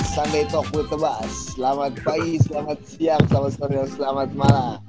selamat pagi selamat siang selamat sore selamat malam